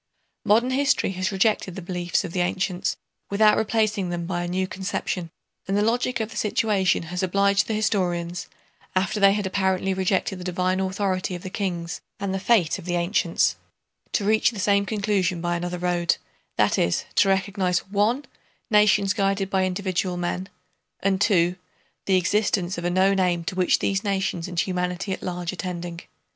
Modern history has rejected the beliefs of the ancients without replacing them by a new conception, and the logic of the situation has obliged the historians, after they had apparently rejected the divine authority of the kings and the "fate" of the ancients, to reach the same conclusion by another road, that is, to recognize (1) nations guided by individual men, and (2) the existence of a known aim to which these nations and humanity at large are tending.